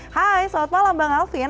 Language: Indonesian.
hai selamat malam bang alvin